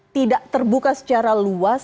tidak terbuka secara luas